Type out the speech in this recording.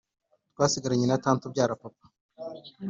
twasigaranye na tate ubyara papa